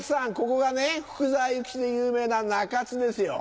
ここがね福沢諭吉で有名な中津ですよ。